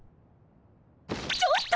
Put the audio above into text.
ちょっと！